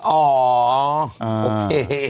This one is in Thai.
โอเค